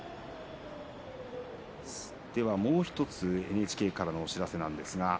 もう１つＮＨＫからのお知らせです。